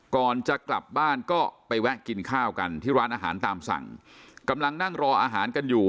ก่อนจะกลับบ้านก็ไปแวะกินข้าวกันที่ร้านอาหารตามสั่งกำลังนั่งรออาหารกันอยู่